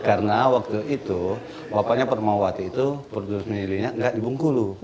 karena waktu itu bapaknya panmawati itu perjudis miliknya tidak di bung kulu